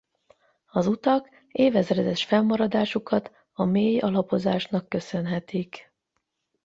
Az utak évezredes fennmaradásukat a mély alapozásnak köszönhetik.